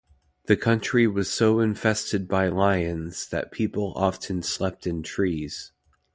The country was so infested by lions that people often slept in trees.